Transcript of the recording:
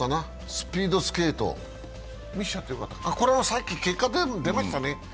スピードスケート、これはさっき結果出ましたね。